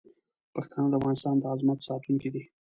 پښتانه د افغانستان د عظمت ساتونکي دي.